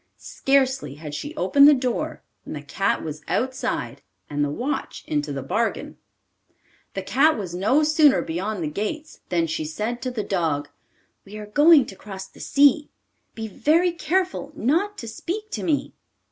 Scarcely had she opened the door when the cat was outside, and the watch into the bargain. The cat was no sooner beyond the gates than she said to the dog: 'We are going to cross the sea; be very careful not to speak to me.